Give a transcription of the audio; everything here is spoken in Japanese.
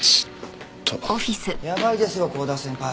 やばいですよ幸田先輩。